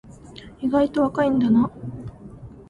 意外と若いんだな